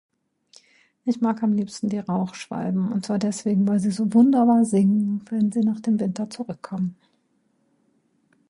Ich mag am liebsten die Rauchschwalben. Und zwar deswegen, weil sie so wunderbar singen, wenn sie nach dem Winter zurückkommen.